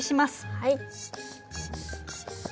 はい。